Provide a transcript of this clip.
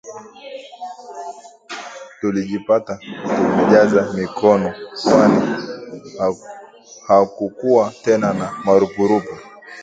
Tulijipata tumejaza mikopo kwani hakukuwa tena na marupurupu